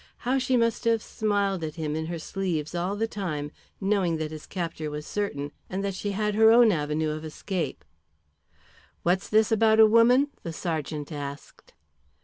How she must have smiled at him in her sleeves all the time, knowing that his capture was certain, and that she had her own avenue of escape. "What's this about a woman?" the sergeant asked.